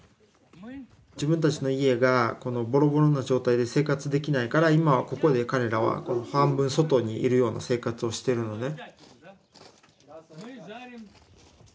自分たちの家がこのぼろぼろの状態で生活できないから今はここで彼らは半分外にいるような生活をしてるのね。